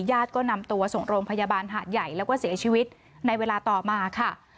ญาติก็นำตัวส่งโรงพยาบาลหาดใหญ่แล้วก็เสียชีวิตในเวลาต่อมาค่ะ